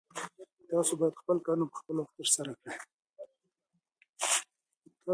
تاسو باید خپل کارونه په خپل وخت ترسره کړئ.